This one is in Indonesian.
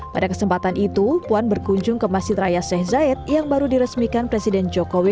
pada kesempatan itu puan berkunjung ke masjid raya sheikh zayed yang baru diresmikan presiden jokowi